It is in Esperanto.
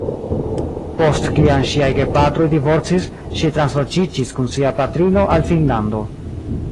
Post kiam ŝiaj gepatroj divorcis ŝi transloĝiĝis kun sia patrino al Finnlando.